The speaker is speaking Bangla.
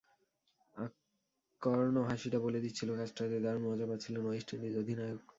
আকর্ণ হাসিটা বলে দিচ্ছিল, কাজটাতে দারুণ মজা পাচ্ছিলেন ওয়েস্ট ইন্ডিজ অধিনায়ক।